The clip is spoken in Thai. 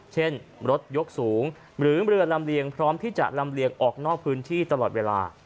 เช่นรถยกสูงหรือเรือลำเลียงพร้อมที่จะลำเลียงออกนอกพื้นที่ตลอดเวลา